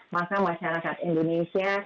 maka masyarakat indonesia